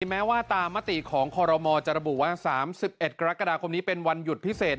ที่แม้ว่าตามมติของครมจรบ๓๑กรกฎาคมนี้เป็นวันหยุดพิเศษ